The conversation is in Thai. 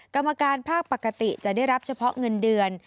กรรมการภาคปกติจะได้รับเฉพาะเงินเดือน